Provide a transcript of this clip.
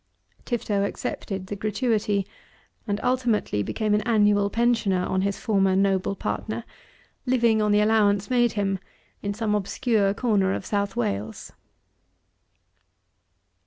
Tifto accepted the gratuity, and ultimately became an annual pensioner on his former noble partner, living on the allowance made him in some obscure corner of South Wales.